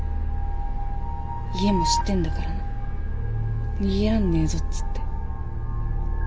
「家も知ってんだからな逃げらんねえぞ」っつって。